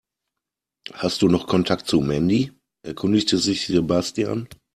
Hast du noch Kontakt zu Mandy?, erkundigte sich Sebastian.